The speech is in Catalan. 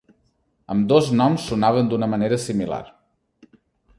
Ambdós noms sonaven d'una manera similar.